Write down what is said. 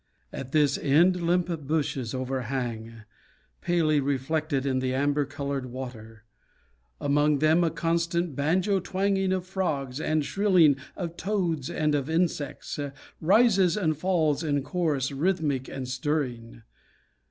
At this end limp bushes overhang, Palely reflected in the amber colored water; Among them a constant banjo twanging of frogs, And shrilling of toads and of insects Rises and falls in chorus rhythmic and stirring.